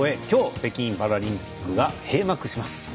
きょう北京パラリンピックが閉幕します。